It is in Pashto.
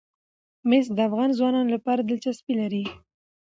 مس د افغان ځوانانو لپاره دلچسپي لري.